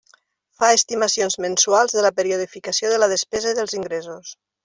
Fa estimacions mensuals de la periodificació de la despesa i dels ingressos.